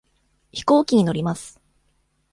飛行機に乗ります。